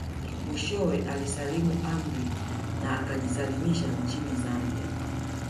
Mwishowe alisalimu amri na akajisalimisha nchini Zambia